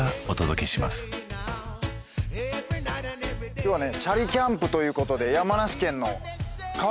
今日はね